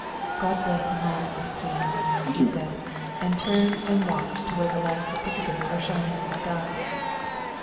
"God bless my little Queen," he said, and turned and walked to where the lights of Piccadilly were shining in the sky.